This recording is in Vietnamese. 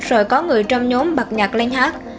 rồi có người trong nhóm bạc nhạc lên hát